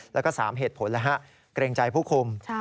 แล้วก็๓เหตุผลแล้วฮะเกรงใจผู้คุม